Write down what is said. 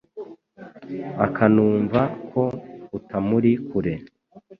akanumva ko utamuri kure